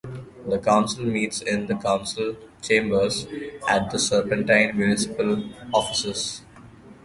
The council meets in the council chambers at the Serpentine Municipal Offices.